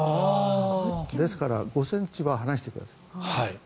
ですから５ｃｍは離してください。